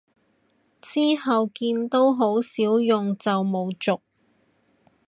之後見都好少用就冇續